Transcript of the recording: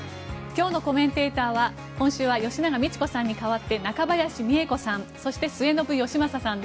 今日のコメンテーターは今週は吉永みち子さんに代わって中林美恵子さん。